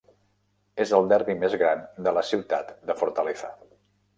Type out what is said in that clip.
És el derbi més gran de la ciutat de Fortaleza.